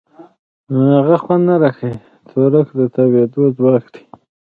تورک د تاوېدو ځواک دی.